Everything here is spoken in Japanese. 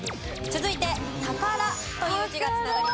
続いて「宝」という字が繋がります。